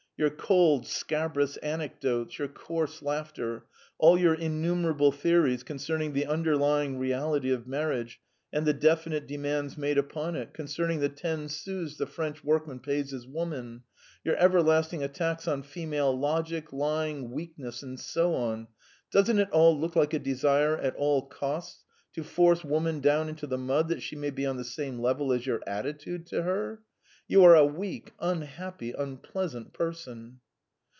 Your cold, scabrous anecdotes, your coarse laughter, all your innumerable theories concerning the underlying reality of marriage and the definite demands made upon it, concerning the ten sous the French workman pays his woman; your everlasting attacks on female logic, lying, weakness and so on doesn't it all look like a desire at all costs to force woman down into the mud that she may be on the same level as your attitude to her? You are a weak, unhappy, unpleasant person!"